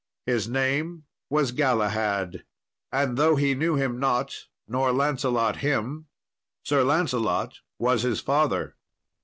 His name was Galahad, and though he knew him not, nor Lancelot him, Sir Lancelot was his father.